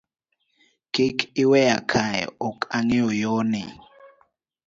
Kiki iweya kae ok angeyo yoni.